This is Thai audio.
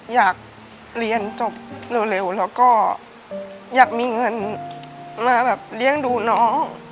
อยากเรียนจบเร็วแล้วก็อยากมีเงินมาแบบเลี้ยงดูน้อง